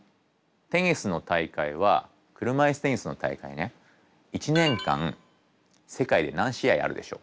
テニスの大会は車いすテニスの大会ね１年間世界で何試合あるでしょうか？